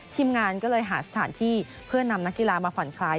ทีมงานก็เลยหาสถานที่เพื่อนำนักกีฬามาผ่อนคลาย